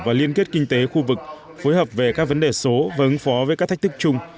và liên kết kinh tế khu vực phối hợp về các vấn đề số và ứng phó với các thách thức chung